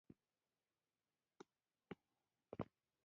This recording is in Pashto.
په لومړیو کې یې یوازې سیاسي اړخ درلود.